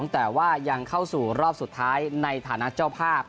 แต่ว่ายังเข้าสู่รอบสุดท้ายในฐานะเจ้าภาพ